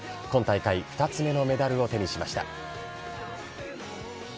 今大会２つ目のメダルを手にしました。